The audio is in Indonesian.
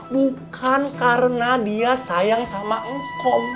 bukan karena dia sayang sama eko